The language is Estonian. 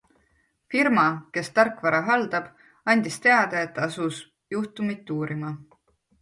Firma, kes tarkvara haldab, andis teada, et asus juhtumit uurima.